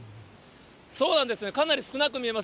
そうなんです、かなり少なく見えます。